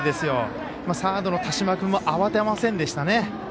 サードの田嶋君も慌てませんでしたね。